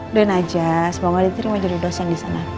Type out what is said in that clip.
udahin aja semoga di terima jadi dosen disana